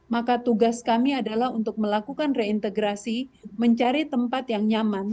maka tugas kami adalah untuk melakukan reintegrasi mencari tempat yang nyaman